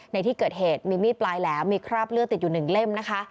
ในที่เกิดเหตุมีมีดปลายแหลมมีคราบเลือดติดอยู่๑เล่มนะคะ